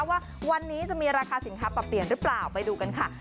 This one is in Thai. ว่าวันนี้จะมีราคาสินค้าปรับเปลี่ยนหรือเปล่าไปดูกันค่ะ